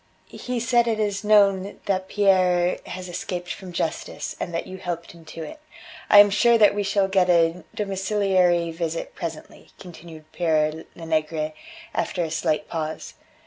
He said it is known that Pierre has escaped from justice, and that you helped him to it. "I am sure that we shall get a domiciliary visit presently," continued Pere Lenegre, after a slight pause.